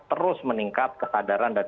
terus meningkat kesadaran dan